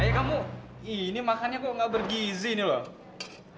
ayah kamu ini makannya kok gak bergizi nih loh